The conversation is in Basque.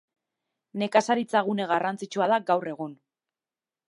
Nekazaritza gune garrantzitsua da gaur egun.